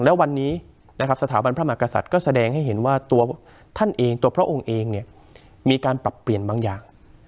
และวันนี้นะครับสถาบันพระมหากษัตริย์ก็แสดงให้เห็นว่าตัวท่านเองตัวพระองค์เองเนี่ยมีการปรับเปลี่ยนบางอย่าง